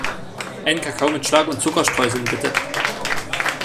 Einen Kakao mit Schlag und Zuckerstreuseln, bitte.